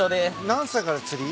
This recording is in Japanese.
何歳から釣り？